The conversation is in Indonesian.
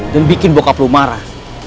dan bikin bokap lu marah